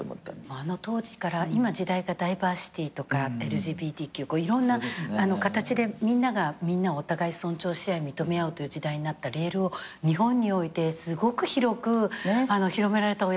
あの当時から今時代がダイバーシティとかＬＧＢＴいろんな形でみんながみんなをお互い尊重し合い認め合うという時代になったレールを日本においてすごく広く広められたお役割を持ってらっしゃったなと思います。